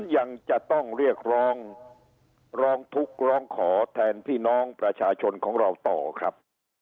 ยังจะต้องเรียกร้องร้องทุกข์ร้องขอแทนพี่น้องประชาชนของเราต่อครับ